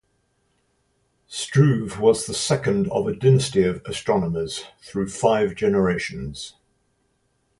Struve was the second of a dynasty of astronomers through five generations.